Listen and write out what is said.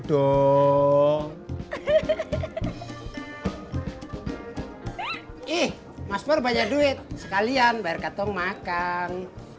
dong ih maspor banyak duit sekalian bayar katong makan